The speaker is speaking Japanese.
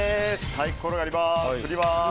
サイコロを振ります。